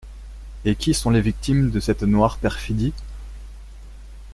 Et qui sont les victimes de cette noire perfidie ?